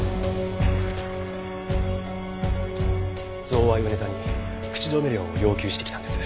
贈賄をネタに口止め料を要求してきたんです。